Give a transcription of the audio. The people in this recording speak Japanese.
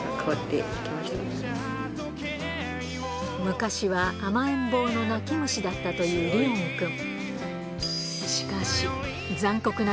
昔は甘えん坊の泣き虫だったという利音くん